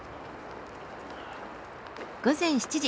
午前７時。